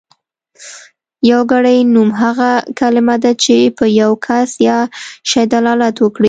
يوګړی نوم هغه کلمه ده چې په يو کس يا شي دلالت وکړي.